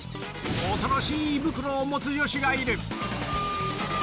恐ろしい胃袋を持つ女子がいる。